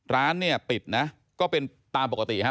ร้านเนี่ยปิดนะก็เป็นตามปกติฮะ